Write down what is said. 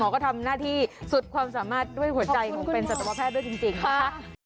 ก็ตายยาก